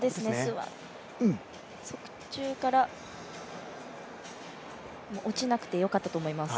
側宙から、落ちなくてよかったと思います。